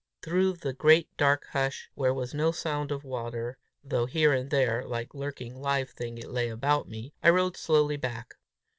Through the great dark hush, where was no sound of water, though here and there, like lurking live thing, it lay about me, I rode slowly back.